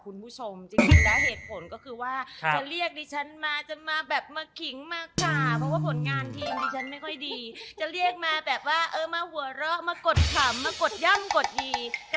กูรูเชลซีอำดับต้นของเมืองไทย